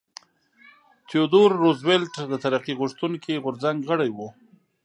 تیودور روزولټ د ترقي غوښتونکي غورځنګ غړی و.